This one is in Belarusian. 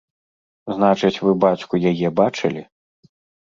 Значыць, вы бацьку яе бачылі?